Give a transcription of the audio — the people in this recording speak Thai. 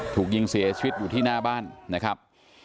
ถูกยิงเสียชีวิตอยู่ที่หน้าบ้านนะครับ